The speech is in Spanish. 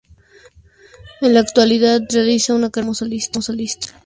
En la actualidad, realiza una carrera como solista.